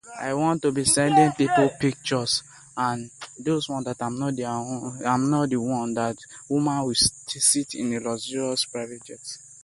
The historical-critical method of analyzing scripture questioned the reliability of the Bible.